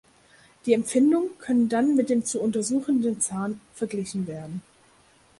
Die Empfindungen können dann mit dem zu untersuchenden Zahn verglichen werden.